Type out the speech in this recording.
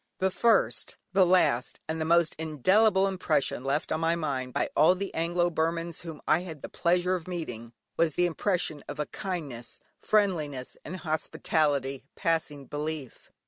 The first, the last, and the most indelible impression left on my mind by all the Anglo Burmans whom I had the pleasure of meeting, was the impression of a kindness, friendliness, and hospitality passing belief.